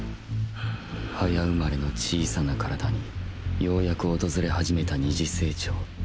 早生まれの小さな身体に漸く訪れ始めた二次性徴。